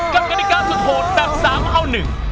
กับกรรติการสุดโหดแบบ๓เอ้า๑